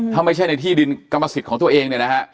ถ้าไม่ใช่ในที่ดินกรรมสิทธิ์ของตัวเองเนี่ยนะฮะ